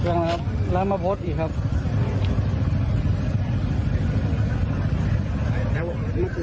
แล้วนอกจากนี้ยังโดนอีกข้อหาก็คือ